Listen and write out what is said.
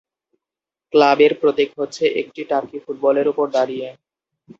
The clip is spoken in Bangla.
ক্লাবের প্রতীক হচ্ছে একটি টার্কি ফুটবলের ওপর দাঁড়িয়ে।